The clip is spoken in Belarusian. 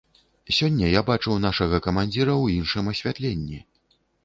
Сёння я бачыў нашага камандзіра ў іншым асвятленні.